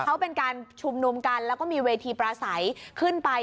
เขาเป็นการชุมนุมกันแล้วก็มีเวทีปราศัยขึ้นไป